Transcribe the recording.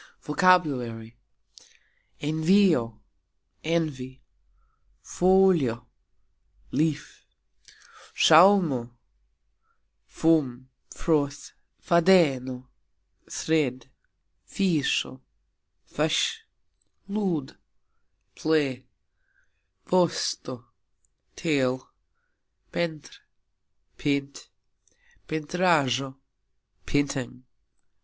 VOCABULARY. envio : envy. folio : leaf. sxauxmo : foam, froth. fadeno : thread. fisxo : fish. lud : play. vosto : tail. pentr : paint. pentrajxo : painting.